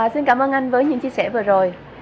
xin cảm ơn anh với những chia sẻ vừa rồi